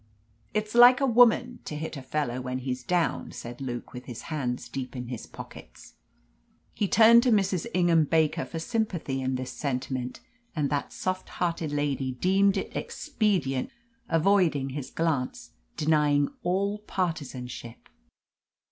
"It's like a woman to hit a fellow when he's down," said Luke, with his hands deep in his pockets. He turned to Mrs. Ingham Baker for sympathy in this sentiment, and that soft hearted lady deemed it expedient to turn hastily away, avoiding his glance, denying all partisanship.